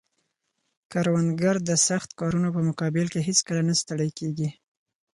کروندګر د سخت کارونو په مقابل کې هیڅکله نه ستړی کیږي